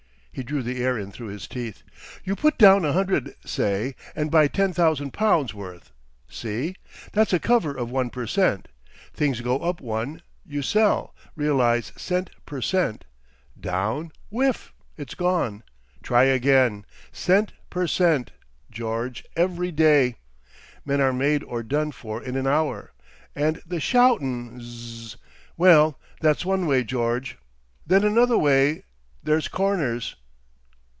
He drew the air in through his teeth. "You put down a hundred say, and buy ten thousand pounds worth. See? That's a cover of one per cent. Things go up one, you sell, realise cent per cent; down, whiff, it's gone! Try again! Cent per cent, George, every day. Men are made or done for in an hour. And the shoutin'! Zzzz.... Well, that's one way, George. Then another way—there's Corners!"